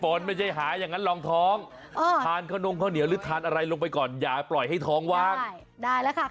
โอ้ใช่มันก็จะได้หนักพอสมควร